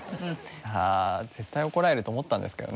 ああ絶対怒られると思ったんですけどね。